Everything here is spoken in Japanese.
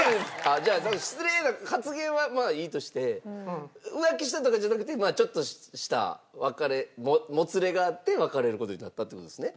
じゃあその失礼な発言はまあいいとして浮気したとかじゃなくてまあちょっとした別れもつれがあって別れる事になったって事ですね？